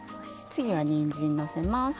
次はにんじんのせます。